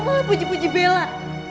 lo malah puji puji bella